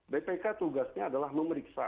bpk tugasnya adalah memeriksa